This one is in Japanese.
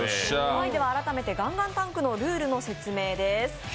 改めてガンガンタンクのルールの説明です。